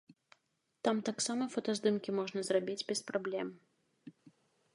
Там таксама фотаздымкі можна зрабіць без праблем.